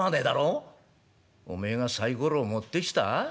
「おめえがサイコロを持ってきた？